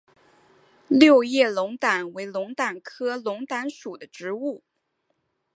六叶龙胆为龙胆科龙胆属的植物。